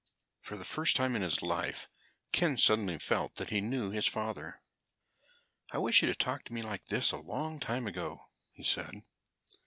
For the first time in his life Ken suddenly felt that he knew his father. "I wish you had talked to me like this a long time ago," he said.